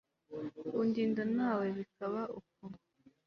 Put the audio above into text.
undi na we bikaba uko